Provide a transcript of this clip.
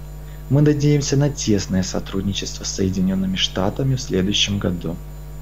Мы надеемся на тесное сотрудничество с Соединенными Штатами в следующем году.